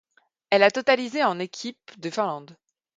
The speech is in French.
Elle a totalisé en équipe de Finlande.